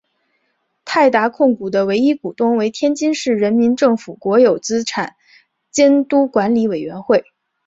泰达控股的唯一股东为天津市人民政府国有资产监督管理委员会。